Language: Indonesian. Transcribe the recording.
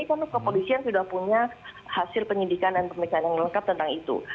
ini kan luka polisian sudah punya hasil penyidikan dan pemeriksaan yang lengkap tentang itu